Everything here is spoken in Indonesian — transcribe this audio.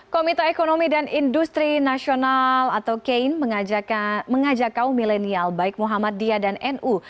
komite ekonomi dan industri nasional atau kein mengajak kaum milenial baik muhammadiyah dan nu